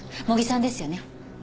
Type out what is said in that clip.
茂木さんですよね？